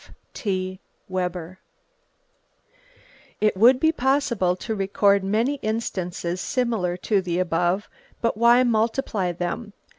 (F.T. Webber). It would be possible to record many instances similar to the above, but why multiply them?